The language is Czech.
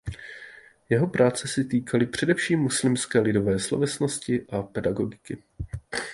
Jeho práce se týkaly především muslimské lidové slovesnosti a pedagogiky.